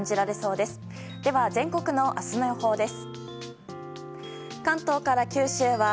では、全国の明日の予報です。